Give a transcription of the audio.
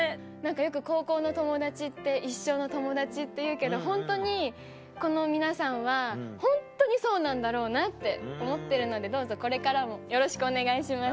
よく高校の友達って一生の友達っていうけどホントにこの皆さんはホントにそうなんだろうなって思ってるのでどうぞこれからもよろしくお願いします